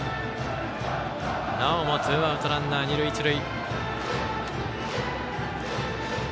なおもツーアウトランナー、二塁一塁。